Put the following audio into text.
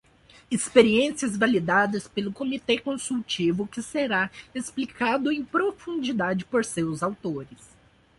Experiências validadas pelo comitê consultivo que será explicado em profundidade por seus autores.